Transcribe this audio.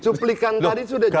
suplikan tadi sudah jelas